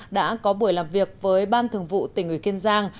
đã có buổi làm việc với ban thường vụ tỉnh ủy kiên giang